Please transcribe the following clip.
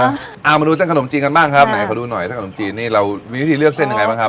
เอามาดูเส้นขนมจีนกันบ้างครับแหมขอดูหน่อยเส้นขนมจีนนี่เรามีวิธีเลือกเส้นยังไงบ้างครับ